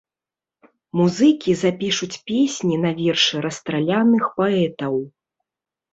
Музыкі запішуць песні на вершы расстраляных паэтаў.